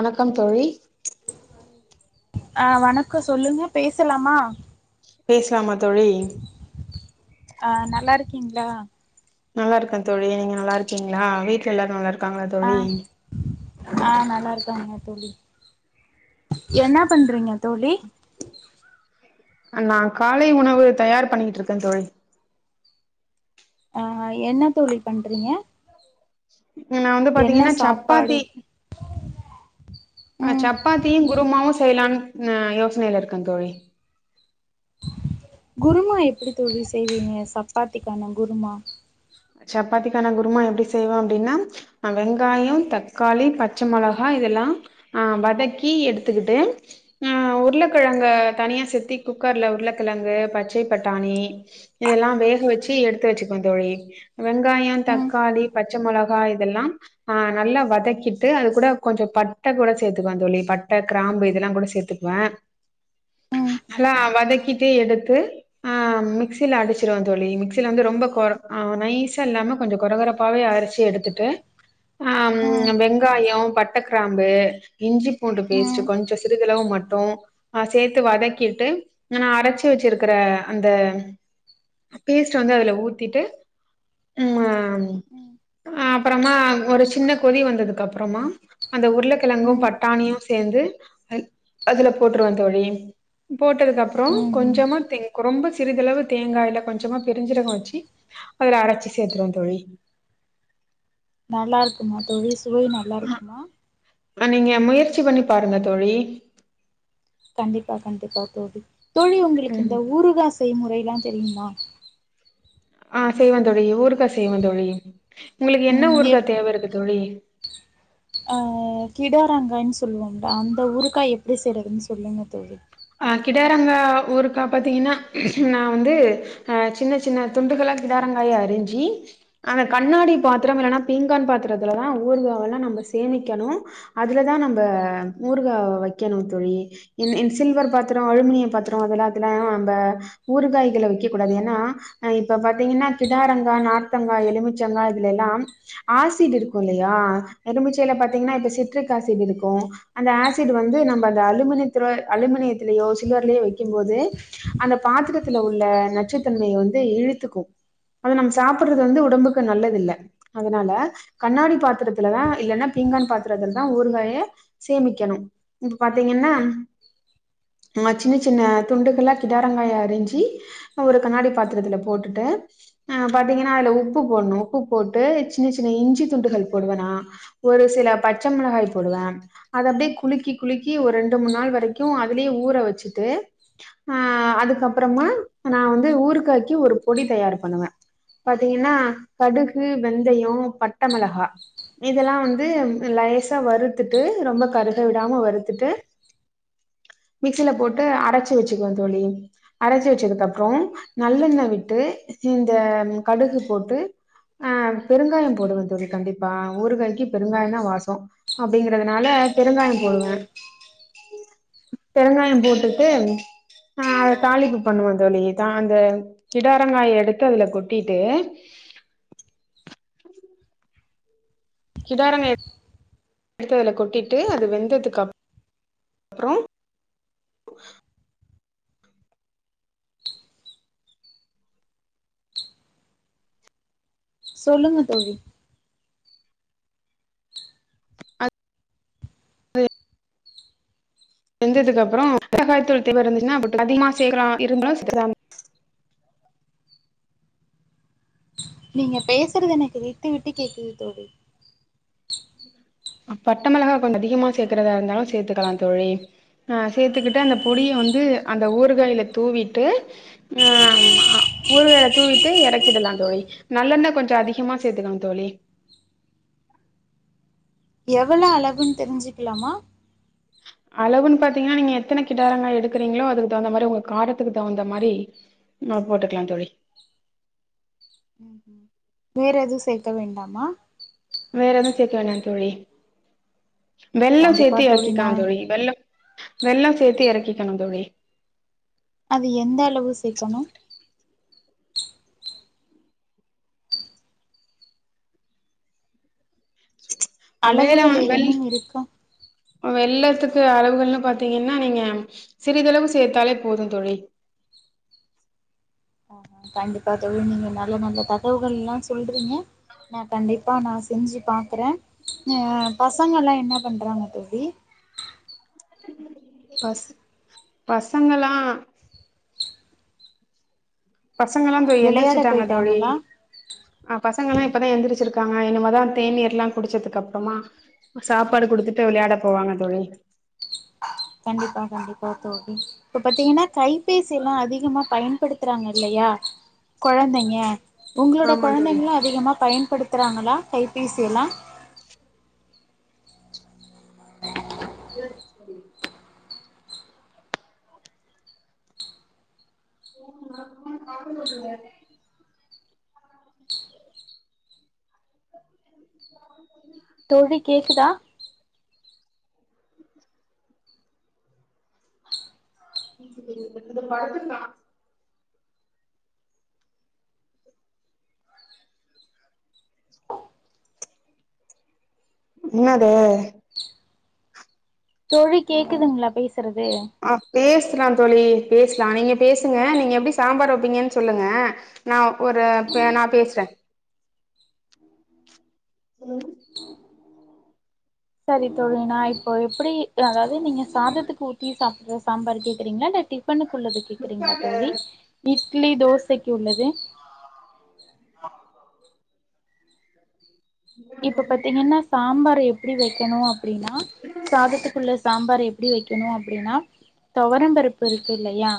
வணக்கம் தோழி ஆ வணக்கம் சொல்லுங்க பேசலாமா பேசலாமா தோழி அ நல்லா இருக்கீங்களா நல்லா இருக்கே தோழி நீங்க நல்லா இருக்கீங்களா வீட்ல எல்லாரும் நல்லா இருக்க ஆ ஆ நல்லா இருக்காங்க தோழி என்ன பண்றீங்க தோழி நான் காலை உணவு தயார் பண்ணிட்டு இருக்கேன் தோழி ஆ என்ன தோழி பண்றீங்க நா வந்து என்ன பாத்தீங்கன்னா சாப்பாடு சப்பாத்தி அ ம் சப்பாத்தியு குருமாவு செய்லான்னு யோசனையில இருக்க தோழி குருமா எப்படி தோழி செய்வீங்க சப்பாத்திக்கான குருமா சப்பாத்திக்கான குருமா எப்படி செய்வ அப்டின்னா அ வெங்காயோ தக்காளி பச்ச மொளகா இதல்லா ஆ வதக்கி எடுத்துக்கிட்டு ஆ உருளக்கழங்கு தனியா சேத்தி குக்கர்ல உருளக்கெழங்கு பச்சை பட்டாணி இதல்லா வேக வச்சு ம் எடுத்து வச்சுக்கனு தோழி வெங்காயோ ம் தக்காளி பச்ச மொளகா இதல்லா ஆ நல்லா வதக்கிட்டு அது கூட கொஞ்சோ பட்ட கூட சேத்துக்குலா தோழி பட்ட கிராம்பு இதல்லா கூட சேத் துக்குவ [inaudible] [inaudible] அதல்லா‌ வதக்கிட்டு எடுத்து ஆ மிக்சில அடிச்சிருவ தோழி மிக்சில வந்து ரொம்ப கொற ஆ நைஸ் ச்ச இல்லாம கொஞ்ச கொர கொரப்பாவே அரச்சு எடுத்துட்டு ஆ ம் வெங்காயோ பட்ட கிராம்பு இஞ்சி பூண்டு பேஸ்ட்டு ம் கொஞ்ச சிறு தளவு மட்டு ஆ சேத்து ம் வதக்கிட்டு நா அரச்சு வச்சிருக்கற அந்த பேஸ்ட்ட வந்து அதுல ஊத்திட்டு ம்ம ம் அ அப்றமா ஒரு சின்ன கொதி வந்ததுக்கு அப்றமா அந்த உருளக்கெழங்கு ம் பட்டாணியு சேந்து அதுல போட்டுருவ தோழி போட்டதுக்கு அப் ப்றோ ம்ஹும் கொஞ்சமா தே கொரொம்ப சிறிதளவு தேங்காய்ல கொஞ்சமா பெருஞ்சீரகோ வச்சி அதுல அரச்சு சேத்ருவ தோழி நல்லா இருக்குமா தோழி சுவை நல்லா இருக்குமா நீங்க முயற்சி பண்ணி பாருங்க தோழி கண்டிப்பா கண்டிப்பா தோழி தோழி உங்களுக்கு ம் இந்த ஊறுகா செய்முறைல்லா தெரியுமா ஆ செய்வந்தோழி ஊறுகா செய்வந் தோழி உங்களுக்கு ம் என்ன ஊறுகா எப் தேவ இருக்கு தோழி ஆ கிடாரங்காய்ன் சொல்வோம்ல அந்த ஊறுகாய் எப்டி செய்றதுன் சொல்லுங்க தோழி ஆ கிடாரங்கா ஊறுக்கா பாத்தீங்கன்னா நா வந்து அ சின்ன சின்ன துண்டுகளா கிடாரங்காய அரிஞ்சி அந்த கண்ணாடி பாத்தரம் இல்லன்னா பீங்கான் பாத்திரத்துலதான ஊறுகாவல்லா நம்ம சேமிக்கணு அதுலதா நம்ப ஊறுகாவ வைக்கணு தோழி இந் இந் சில்வர் பாத்தரோ அலுமினியோ பாத்தரோ அதுல அதுலல்லா நம்ப ஊறுகாய்கள வைக்க கூடாது ஏன்னா ஆ இப்ப பாத்தீங்ன்னா கிடாரங்கா நார்த்தங்கா எலுமிச்சங்கா இதுலெல்லா ஆசிட் இருக்கு இல்லயா எலுமிச்சைல பாத்தீங்ன்னா இப்ப சிட்ரிக் ஆசிட் இருக்கு அந்த ஆசிட் வந்து நம்ம அந்த அலுமினியத்துலோ அலுமினியத்திலயோ சில்வர்லயோ வைக்கும் போது அந்த பாத்துரத்துல உள்ள நச்சுத்தன்மைய வந்து இழுத்துக்கு அத நம்ம சாப்புட்றது வந்து உடம்புக்கு நல்லதில்ல அதனால கண்ணாடி பாத்துரத்துலதா இல்லன்னா பீங்கான் பாத்துரத்துலதா ஊறுகாய சேமிக்கணு இப்ப பாத்தீங்ன்னா ம்ம சின்ன சின்ன துண்டுகள்ல்லா கிடாரங்காய அரிஞ்சி ஒரு கண்ணாடி பாத்திரத்துல போட்டுட்டு ஆ பாத்தீங்ன்னா அதுல உப்பு போடாணு உப்பு போட்டு சின்ன சின்ன இஞ்சி துண்டுகள் போடுவ நா ஒரு சில பச்ச மெளகாய் போடுவே அத அப்டியே குலுக்கி குலுக்கி ஒரு ரெண்டு மூணு நாள் வரைக் கு அதுலே ஊற வெச்சுட்டு ஆ அதுக்கப்றமா நா வந்து ஊருக்காய்க்கி ஒரு பொடி தயார் பண்ணுவே பாத்தீங்ன்னா கடுகு வெந்தயோ பட்ட மெளகா இதெல்லா வந்து லேசா வறுத்துட்டு ரொம்ப கருக விடாம வறுத்துட்டு மிக்சில போட்டு அரச்சு வெச்சுக்குவே தோழி அரச்சு வெச்சதுக்கு அப்றோ நல்லெண்ண விட்டு இந்த கடுகு போட்டு ஆ பெருங்காய போடுவே தோழி கண்டிப்பா ஊறுகாய்க்கு பெருங்காயதா வாசோ அப்டிங்கறதுனால பெருங்காய போடுவே பெருங்காய போட்டுட்டு ஆ அத தாளிப்பு பண்ணுவோ தோழி தா அந்த கிடாரங்காய எடுத்து அதுல கொட்டிட்டு கிடாரங்காய எடுத்து அதுல கொட்டிட்டு அது வெந்ததுக்கு அப் றோ சொல்லுங்க தோழி வெந்ததுக்கப்றோ மெளகாய்த்தூள் தேவ இருந்துச்ன்னா புட்டு அதிகமா சேக்லா இருந்தா சேக்லா நீங்க பேசுறது எனக்கு விட்டு விட்டு கேக்குது தோழி பட்டமெளகா கொஞ்ச அதிகமா சேக்குறதா இருந்தாலு சேத்துக்கலா தோழி ஆ சேத்துக்கிட்டு அந்த பொடிய வந்து அந்த ஊறுகாயில தூவிட்டு ஆமா ஊறுக்காய தூவிட்டு எறக்கிடலா தோழி நல்லெண்ண கொஞ்ச அதிகமா சேத்துக்கணு தோழி எவ்வளோ அளவுன் தெரிஞ்சுக்குலாமா அளவுன்னு பாத்தீங்கன்னா நீங்க எத்தன கிடாரங்கா எடுக்குறீங்களோ அதுக்கு தகுந்த மாரி உங்க காரத்துக்கு தகுந்த மாரி ஆ போட்டுக்குலா தோழி ம் ம் வேற எதுவு சேக்க வேண்டாமா வேற எது சேக்க வேணா தோழி வெள்ளொ கண்டிப்பா சேத்து நா எறக்கிகளா தோழி வெள்ளம் வெள்ளம் சேத்து எறக்கிக்கணு தோழி அது எந்த அளவு சேக்கணு அ அளவுகள் ஏதேனும் இருக்கா வெள்ளத்துக்கு அளவுகள்ன்னு பாத்தீங்கன்னா நீங்க சிறிதளவு சேர்த்தாலே போது தோழி அ கண்டிப்பா தோழி நீங்க நல்ல நல்ல தகவல்கள் எல்லா சொல்றீங்க நா கண்டிப்பா நா செஞ்சு பாக்குறே ஆ பசங்கள்லா என்ன பண்றாங்க தோழி பச் பசங்கள்லா பசங்களா தோ விளையாட எந்திரிச்சுட்டாங்க தோழி போயிட்டாங்களா ஆ பசங்கல்லா இப்பதா எந்திரிச்சிருக்காங்க இனிமேதா தேநீர்ல்லா குடிச்சதுக்கு அப்றமா சாப்பாடு குடுத்துட்டு விளையாட போவாங்க தோழி கண்டிப்பா கண்டிப்பா தோழி இப்ப பாத்தீங்கன்னா கைபேசி எல்லா அதிகமா பயன்படுத்துறாங்க இல்லையா கொழந்தைங்க உங்களோட ஆமா தோழி கொழந்தைங்களு அதிகமா பயன்படுத்துறாங்களா கைபேசி எல்லா ஆ ஃபோன் அதிகமா அவுங்க [inaudible] தோழி கேக்குதா [inaudible] இந்த படுத்துலா தா இன்னது தோழி கேக்குதுங்களா பேசுறது ஆ பேசலா தோழி பேசலா நீங்க பேசுங்க நீங்க எப்படி சாம்பார் வைப்பீங்கன்னு சொல்லுங்க நா ஒரு பே நா பேசுறோ ம் சரி தோழி நா இப்போ எப்படி அதாவது நீங்க சாதத்துக்கு ஊத்தி சாப்புறோ சாம்பார் கேக்குறீங்களா இல்ல டிஃபனுக்கு உள்ளது கேக்குறீங்களா தோழி இட்லி தோசைக்கு உள்ளது ஆ இப்ப பாத்தீங்கன்னா சாம்பார் எப்படி வைக்கணோ அப்படின்னா சாதத்துக்குள்ள சாம்பார் எப் பிடி வைக்கணோ அப்டின்னா துவரம்பருப்பு இருக்கு இல்லயா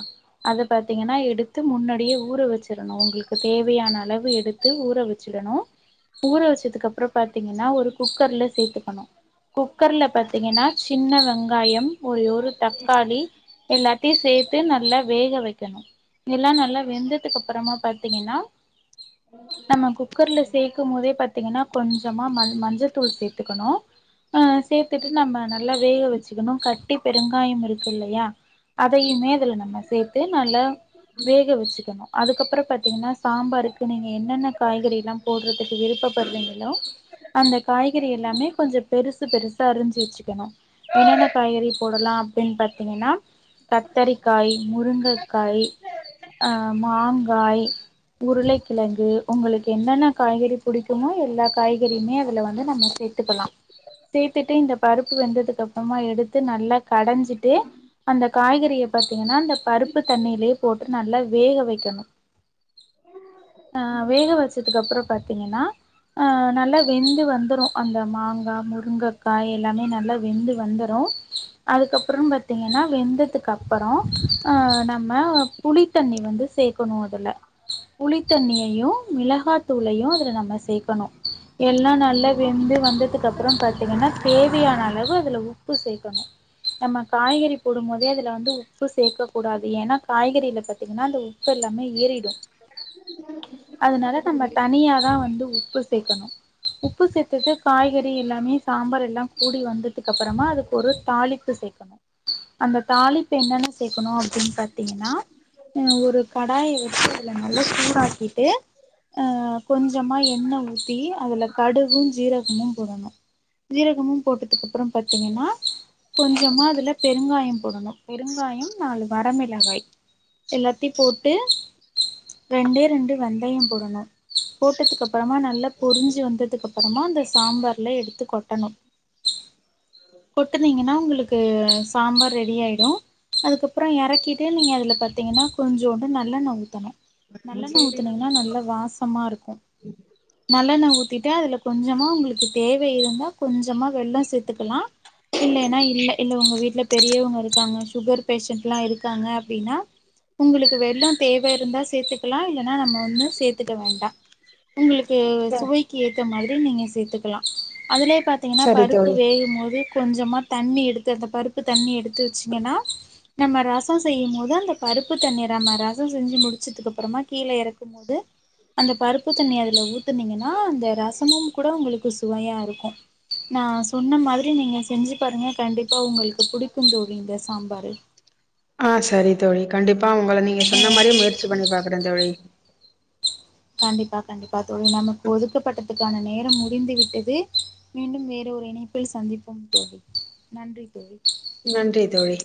அத பாத்தீங்கன்னா எடுத்து முன்னாடியே ஊற வச்சிறணூ உங்களுக்கு தேவையான அளவு எடுத் எடுத்து ஊற வச்சிடணூ ஊற வச்சதுக்கு அப் பாத்திங்னா ஒரு குக்கர்ல சேர்த்துக்கணோ குக்கர்ல பாத்தீங்கன்னா சின்ன வெங்காயம் பத் ஒரே ஒரு தக்காளி எல்லாத்தையும் சேர்த்து நல்லா வேக வைக்கணோ எல்லா நல்லா வெந்ததுக்கு அப்புறமா பாத்தீங்கன்னா நம்ம குக்கர்ல சேக்கும் போதே பாத்தீங்கன்னா கொஞ்சமா ம மஞ்சத்தூள் சேத்துக்கணோ ஆ சேர்த்துட்டு நம்ம நல்லா வேக வச்சுக்கணோ கட்டி பெருங்காயோ இருக்கு இல்லயா அதையுமே அதுல நம்ம சேர்த்து நல்லா வேக வச்சுக்கணோ அதுக்கப்புறோ பாத்தீங்கன்னா சாம்பாருக்கு நீங்க என்ன என்ன காய்கறில்லா போட்றதுக்கு விருப்பப்பட்றீங்க அந்த காய்கறி எல்லாமே கொஞ்சொ பெருசு பெருசா அறிஞ்சு வச்சுக்கணோ என்னென்ன காய்கறி போடலா அப்டின்னு பாத்தீங்கன்னா கத்தரிக்காய் முருங்கைக்காய் ஆ மாங்காய் உருளைக்கிழங்கு உங்களுக்கு என்னென்ன காய்கறி புடிக்குமோ எல்லாத் காய்கறியுமே அதுல வந்து நம்ம சேர்த்துக்கலா சேர்த்துட்டு இந்த பருப்பு வெந்ததுக்கு அப்புறமா எடுத்து நல்லா கடைஞ்சிட்டு அந்த காய்கறிய பாத்தீங்கன்னா அந்த பருப்பு தண்ணிலயே போட்டு நல்லா வேக வைக்கணோ அ வேக வச்சதுக்கு அப்புறோ பாத்தீங்கன்னா ஆ நல்லா வெந்து வந்துரூம் அந்த மாங்கா முருங்கைக்காய் எல்லாமே நல்லா வெந்து வந்துரூம் அதுக்கப்புறம் பாத் தீங்க்கன்னா வெந்ததுக்கு அப்புறோ ஆ நம்ம புளித்தண்ணி வந்து சேக்கணோ அதுல புளித்தண்ணியையும் மிளகாத்தூளையும் அதுல நம்ம சேக் னோ எல்லா நல்லா வெந்து வந்ததுக்கு அப்புறோ பாத்தீங்கன்னா தேவியான ‌அளவூ அதுல உப்பு சேக்கணோ நம்ம காய்கறி போடும் போதே அதுல வந்து உப்பு சேக்க கூடாது ஏன்னா காய்கறில பாத்தீங்கன்னா அந்த உப்பு எல்லாமே ஏறிடும் அதனால நம்ம தனியாதா வந்து உப்பு சேக்கணூ உப்பு சேர்த்தது காய்கறி எல்லாமே சாம்பார் எல்லா கூடி வந்ததுக்கு அப்புறமா அதுக்கு ஒரு தாளிப் பூ சேக்கணோ அந்த தாளிப்பு என்னென்ன சேக்கணோ அப்பிடின் பாத் தீங்கன்னா அ ஒரு கடாய வெச்சு இதுல நல்லா சூடாக்கிட்டு அ கொஞ்சமா எண்ணெ ஊத்தி அதுல கடுகு ஜீரகமும் போடணூ ஜீரகமும் போட்டதுக்கு அப்புறம் பாத்தீங்கன்னா கொஞ்சமா அதுல பெருங்காயோ போடணூ பெருங்காயோ நாலு வரமிளகாய் எல்லாத்தையூ போட்டு ரெண்டே ரெண்டு வெந்தயோ போடணூ போட்டதுக்கு அப்புறமா நல்லப் பொறிஞ்சி வந்ததுக்கு அப்புறமா அந்த சாம்பார்ல எடுத்து கொட்டணூ கொட்டுனீங்கன்னா உங்களுக்கு சாம்பார் ரெடி ஆயிடூ அதுக்கப்புறோ எறக்கிட்டு நீங்க அதுல பாத்தீங்கன்னா கொஞ்சோண்டு நல்லெண்ண ஊத்தணு நல்லெண்ணா ஊத்துனீங்கன்னா நல்ல வாசமா இருக்கு நல்லெண்ண ஊத்திட்டு அதுல கொஞ்சமா உங்களுக்கு தேவை இருந்தா கொஞ்சமா வெள்ளோ சேத்துக்கலா இல்லேன்னா இல்ல இல்ல உங்க வீட்ல பெரியவங்க இருக்காங்க சுகர் பேஷன்ட்ல்லா இருக்காங்க அப்பிடின்னா உங்குளுக்கு வெள்ளோ தேவ இருந்தா சேத்துக்கலா இல்லன்னா நம்ம ஒன்னு சேத்துக்க வேண்டா உங்குளு கு ச சுவைக்கு ஏத்த மாதிரி நீங்க சேத்துக்கலா அதலே பாத்திங்கன்னா சரி பருப்பு தோழி வேகு போது கொஞ்சமா தண்ணி எடுத்து அந்த பருப்பு தண்ணி எடுத்து வச்சிங்கன்னா நம்ம ரசோ செய்யு மோது அந்த பருப்பு தண்ணீ நம்ம ரசோ செஞ்சி முடிச்சதுக்கு அப்புறமா கீழ எறக்கு ந்த அந்த பருப்பு தண்ணிய அதுல ஊத் த்துனீங்கன்னா அந்த ரசமு கூட உங்களுக்கு சுவையா இருக்கு நா சொன்ன மாதிரி நீங்க செஞ்சி பாருங்க கண்டிப்பா உங்களுக்கு புடிக்கு தோழி இந்த சாம்பாரு ஆ சரி தோழி கண்டிப்பா உங்கள நீங்க சொன்ன மாரியே முயற்சி பண்ணி பாக்குற தோழி கண்டிப்பா கண்டிப்பா தோழி நாமக்கு ஒதுக்கப்பட்டதுக்கான நேரம் முடிந்து விட்டது மீண்டும் வேற ஒரு இணைப்பில் சந்திப்போம் தோழி நன்றி தோழி நன்றி தோழி